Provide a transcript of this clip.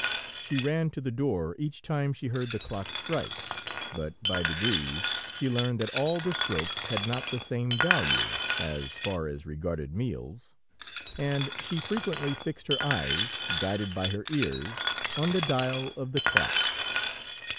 She ran to the door each time she heard the clock strike, but by degrees she learned that all the strokes had not the same value as far as regarded meals, and she frequently fixed her eyes, guided by her ears, on the dial of the clock.